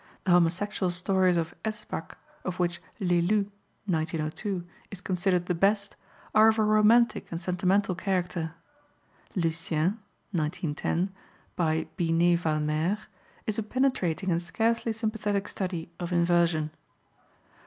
The homosexual stories of Essebac, of which L'Elu (1902) is considered the best, are of a romantic and sentimental character. Lucien (1910), by Binet Valmer, is a penetrating and scarcely sympathetic study of inversion.